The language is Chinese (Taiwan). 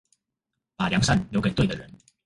把良善留給對的人